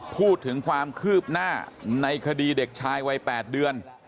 พูดถึงความคืบหน้าในคดีเด็กชายวัย๘เดือน